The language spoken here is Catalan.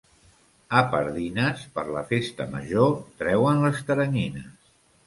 A Pardines, per la festa major, treuen les teranyines.